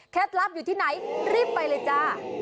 แคทรัพย์อยู่ที่ไหนรีบไปเลยจ้ะ